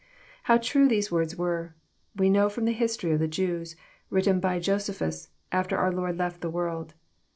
How true these words were, we know from the history of the Jews, written by Josephus, after our Lord left the world.